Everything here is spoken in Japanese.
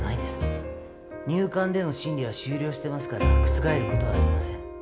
入管での審理は終了してますから覆ることはありません。